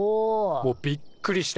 もうびっくりした。